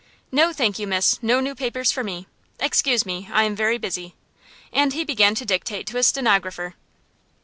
"No, thank you, Miss; no new papers for me. Excuse me, I am very busy." And he began to dictate to a stenographer.